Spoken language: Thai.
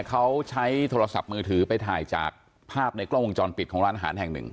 เขาใช้โทรศัพท์มือถือไปถ่ายจากภาพในกล้องวงจรปิดของร้านอาหารแห่งหนึ่ง